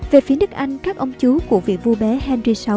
về phía nước anh các ông chú của vị vua bé henry sáu